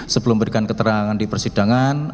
sebelum memberikan keterangan di persidangan